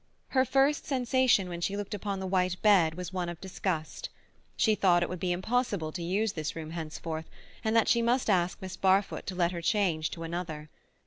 Her first sensation when she looked upon the white bed was one of disgust; she thought it would be impossible to use this room henceforth, and that she must ask Miss Barfoot to let her change to another.